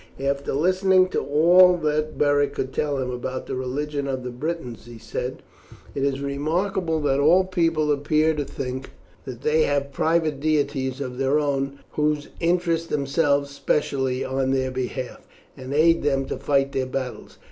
After listening to all that Beric could tell him about the religion of the Britons, he said, "It is remarkable that all people appear to think that they have private deities of their own, who interest themselves specially on their behalf, and aid them to fight their battles.